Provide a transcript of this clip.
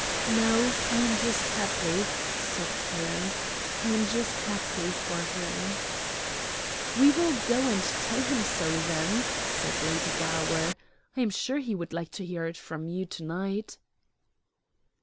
"No, I am just happy," sobbed Helen. "I am just happy for him." "We will go and tell him so then," said Lady Gower. "I am sure he would like to hear it from you to night."